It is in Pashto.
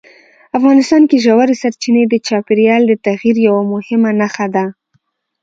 افغانستان کې ژورې سرچینې د چاپېریال د تغیر یوه مهمه نښه ده.